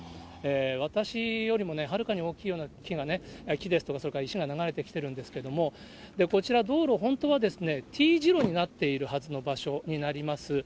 私よりもはるかに大きいような木ですとか、それから石が流れてきてるんですけれども、こちら、道路、本当はＴ字路になっているはずの場所になります。